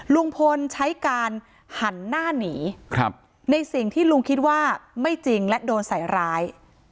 ลุงพลใช้การหันหน้าหนีในสิ่งที่ลุงคิดว่าไม่จริงและโดนใส่ร้าย